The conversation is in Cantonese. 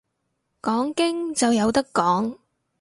講經就有得講